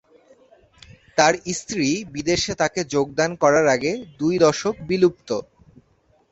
তার স্ত্রী বিদেশে তাকে যোগদান করার আগে দুই দশক বিলুপ্ত।